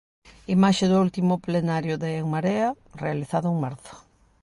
Imaxe do último plenario de En Marea, realizado en marzo.